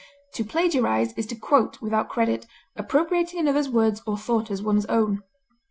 To plagiarize is to quote without credit, appropriating another's words or thought as one's own.